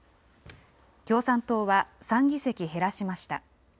共産党は３議席減らしました。